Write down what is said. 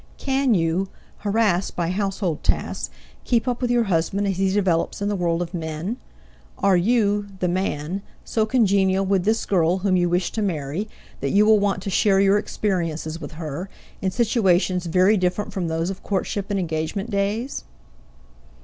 Can you, harassed by household tasks, keep up with your husband as he develops in the world of men? Are you the man so congenial with this girl whom you wish to marry that you will want to share your experiences with her, in situations very different from those of courtship and engagement days?